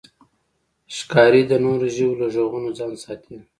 ښکاري د نورو ژویو له غږونو ځان ساتي.